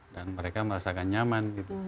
dan mereka merasakan nyaman